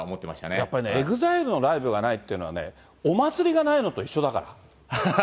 やっぱりね、ＥＸＩＬＥのライブがないっていうのはね、お祭りがないのと一緒だから。